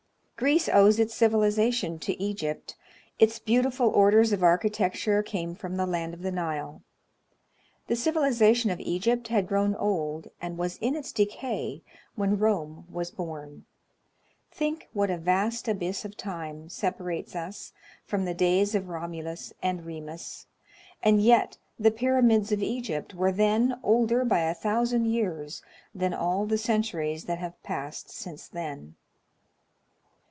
Greece owes its civilization to Egypt: its beautiful orders of architecture came from the land of the Nile. The civilization of Egypt had grown old, and was in its decay, when Rome was born. Think what a vast abyss of time separates us from the days of Romulus and Remus! And yet the pyramids of Egypt were then older by a thousand years than all the centuries that have passed since then.